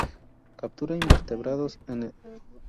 Captura invertebrados en el fondo de los cauces.